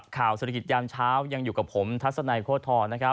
ข่าวศาลกิจยามเช้ายังอยู่กับผมทัศนายโภษธรณ์นะครับ